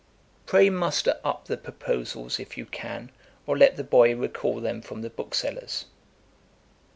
'Pray muster up the Proposals if you can, or let the boy recall them from the booksellers.'